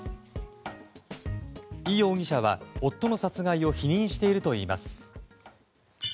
イ容疑者は、夫の殺害を否認しているといいます。